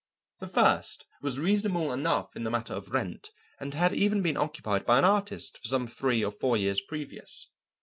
The first was reasonable enough in the matter of rent, and had even been occupied by an artist for some three or four years previous.